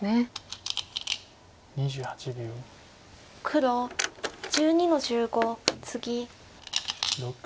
黒１２の十五ツギ。